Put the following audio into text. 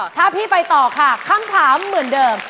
ถ้าพี่ไปต่อค่ะคำถามเหมือนเดิม